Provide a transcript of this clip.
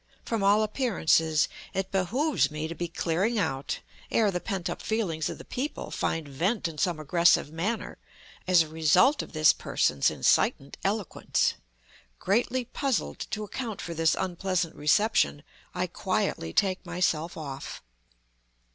From all appearances, it behooves me to be clearing out, ere the pent up feelings of the people find vent in some aggressive manner, as a result of this person's incitant eloquence. Greatly puzzled to account for this unpleasant reception, I quietly take myself off.